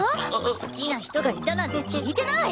好きな人がいたなんて聞いてない！